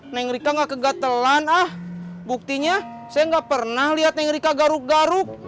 neng rika gak kegatelan ah buktinya saya gak pernah liat neng rika garuk garuk